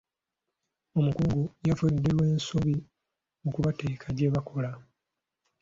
Omukungu yafudde olw'ensobi mu kubateeka gye bakola.